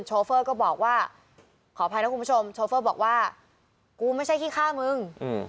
โชเฟอร์ก็บอกว่าขออภัยนะคุณผู้ชมโชเฟอร์บอกว่ากูไม่ใช่ขี้ฆ่ามึง